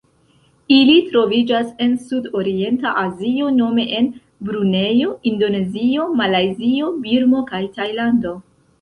Ili troviĝas en Sudorienta Azio nome en Brunejo, Indonezio, Malajzio, Birmo kaj Tajlando.